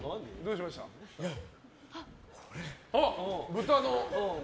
豚の。